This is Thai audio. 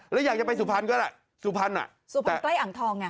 แล้วอยากจะไปสุพรรณก็ได้สุพรรณอ่ะสุพรรณใกล้อ่างทองอ่ะ